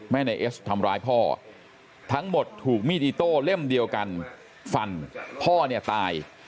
นายเอสทำร้ายพ่อทั้งหมดถูกมีดอิโต้เล่มเดียวกันฟันพ่อเนี่ยตาย